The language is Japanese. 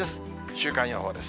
週間予報です。